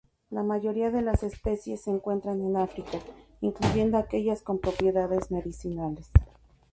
La mayoría de las especies se encuentran en África, incluyendo aquellas con propiedades medicinales.